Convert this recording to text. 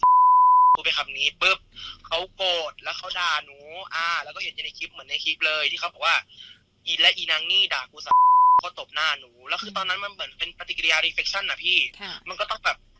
ถึงได้เข้าข้างกันขนาดนี้ด้วยความที่หนูอ่ะเป็นคนปากไวหนูก็เลยพูดแบบ